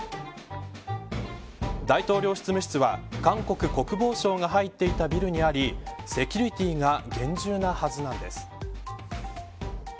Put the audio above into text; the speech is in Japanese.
大統領執務室は韓国国防省が入っていたビルにありセキュリティーが厳重なはずなんです。